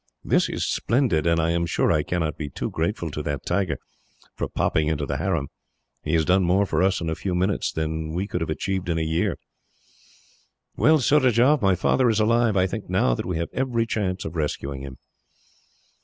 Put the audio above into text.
This is splendid, and I am sure I cannot be too grateful to that tiger, for popping into the harem. He has done more for us, in a few minutes, than we could have achieved in a year. "Well, Surajah, if my father is alive, I think now that we have every chance of rescuing him."